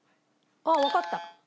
あっわかった。